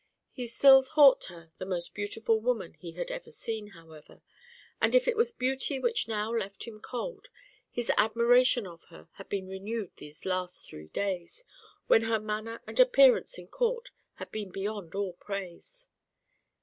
He still thought her the most beautiful woman he had ever seen, however, and if it was beauty which now left him cold, his admiration of her had been renewed these last three days when her manner and appearance in court had been beyond all praise.